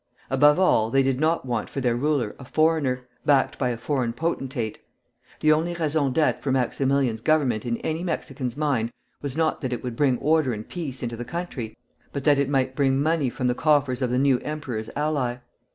Above all, they did not want for their ruler a foreigner, backed by a foreign potentate. The only raison d'être for Maximilian's government in any Mexican's mind was not that it would bring order and peace into the country, but that it might bring money from the coffers of the new emperor's ally.